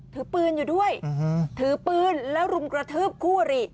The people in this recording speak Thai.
ถือปืนอยู่ด้วยถือปืนแล้วรุมกระทืบคู่อริ